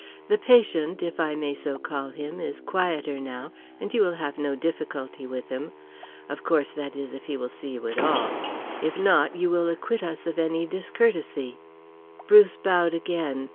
The patient, if I may so call him, is quieter now, and you will have no difficulty with him. Of course, that is if he will see you at all. If not you will acquit us of any discourtesy." Bruce bowed again.